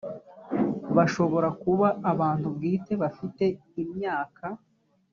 bashobora kuba abantu bwite bafite imyaka